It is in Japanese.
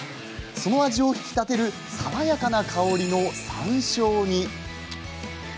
その味を引き立てる爽やかな香りの山椒に。